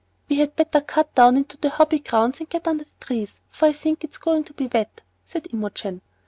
"We had better cut down into the Hobby grounds and get under the trees, for I think it's going to be wet," said Imogen.